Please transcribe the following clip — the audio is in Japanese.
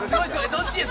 どっちや？